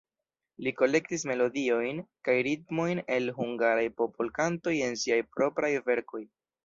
Li kolektis melodiojn kaj ritmojn el hungaraj popolkantoj en siaj propraj verkoj.